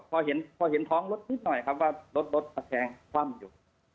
พอเห็นท้องรถนิดหน่อยครับว่ารถรถตะแคงคว่ำอยู่